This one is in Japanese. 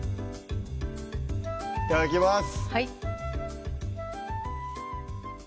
いただきます